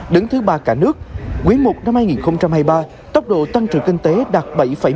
đứng thứ ba cả nước quyến mục năm hai nghìn hai mươi ba tốc độ tăng trưởng kinh tế đạt bảy một mươi hai